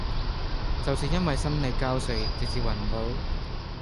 就是因為心力交瘁直至昏倒